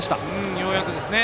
ようやくですね。